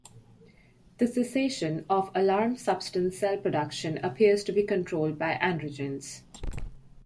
The cessation of alarm substance cell production appears to be controlled by androgens.